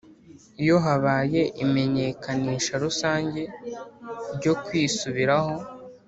Iyo habaye imenyekanisha rusange ryo kwisubiraho